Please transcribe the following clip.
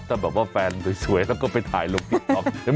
ถ้าบอกว่าแฟนสวยต้องก็ไปถ่ายลงติดต่อ